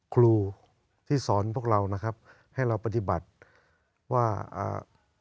ครูที่สอนพวกเรานะครับให้เราปฏิบัติว่าอ่า